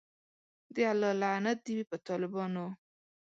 د الله لعنت دی وی په ټالبانو